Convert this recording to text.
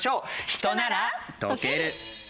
ヒトなら解ける！